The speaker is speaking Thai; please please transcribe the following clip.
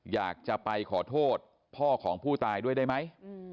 อยากจะไปขอโทษพ่อของผู้ตายด้วยได้ไหม